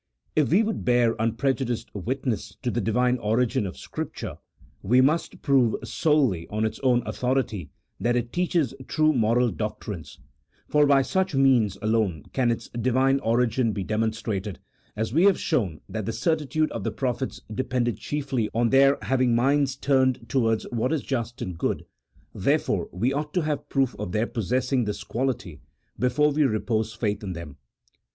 If we would bear unprejudiced witness to the Divine origin of Scripture, we must prove solely on its own autho rity that it teaches true moral doctrines, for by such means alone can its Divine origin be demonstrated : we have shown that the certitude of the prophets depended chiefly on their having minds turned towards what is just and good, there fore we ought to have proof of their possessing this quality before we repose faith in them.